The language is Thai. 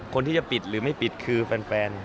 คนที่จะปิดหรือไม่ปิดคือแฟน